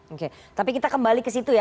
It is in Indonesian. oke tapi kita kembali kesitu ya